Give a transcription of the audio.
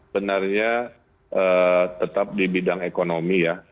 benarnya tetap di bidang ekonomi ya